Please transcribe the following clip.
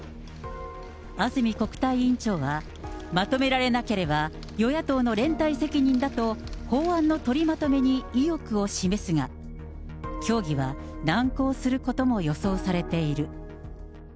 安住国対委員長は、まとめられなければ与野党の連帯責任だと、法案の取りまとめに意欲を示すが、協議は難航することも予想されている。